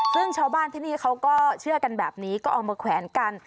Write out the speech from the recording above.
ซึ่งชาวบ้านที่นี่เขาก็เชื่อกันแบบนี้ก็เอามาแขวนกัน